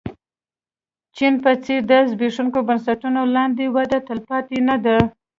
چین په څېر تر زبېښونکو بنسټونو لاندې وده تلپاتې نه ده.